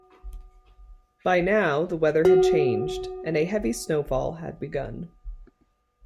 By now the weather had changed and a heavy snowfall had begun.